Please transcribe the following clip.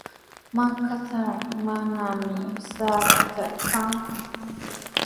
Markaatrawmi manami sara trakra kanku.